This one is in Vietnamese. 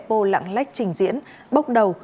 bộ lạng lách trình diễn bốc đầu